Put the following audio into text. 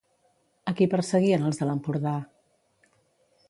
A qui perseguien els de l'Empordà?